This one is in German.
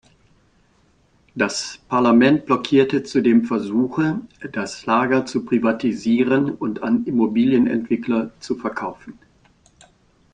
Das Parlament blockierte zudem Versuche, das Lager zu privatisieren und an Immobilienentwickler zu verkaufen.